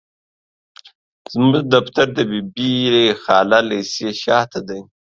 زموږ دفتر د بي بي خالا ليسي شاته دي.